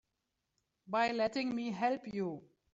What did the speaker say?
By letting me help you.